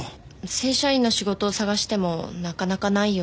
正社員の仕事を探してもなかなかないようで。